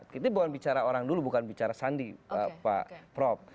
kita bukan bicara orang dulu bukan bicara sandi pak prof